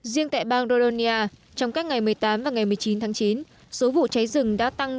riêng tại bang rolonia trong các ngày một mươi tám và ngày một mươi chín tháng chín số vụ cháy rừng đã tăng một chín trăm một mươi năm